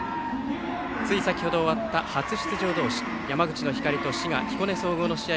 つい先ほど終わった初出場同士山口の光と滋賀・彦根総合の試合